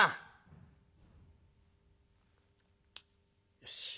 よし。